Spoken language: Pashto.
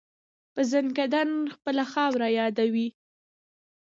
په ځانکدن خپله خاوره یادوي.